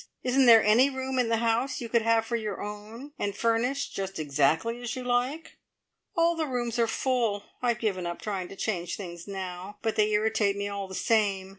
Isn't there any room in the house you could have for your own, and furnish just exactly as you like?" "All the rooms are full. I've given up trying to change things now, but they irritate me all the same.